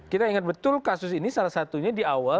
kita ingat betul kasus ini salah satunya di awal